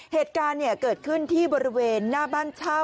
เหตุการณ์เกิดขึ้นที่บริเวณหน้าบ้านเช่า